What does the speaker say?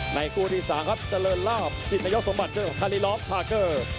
ในคู่ที่สามครับเจริญลาภสิทธิ์นายกสมบัติเจริญของคาลิลอฟทาร์เกอร์